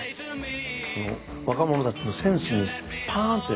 若者たちのセンスにパーンって。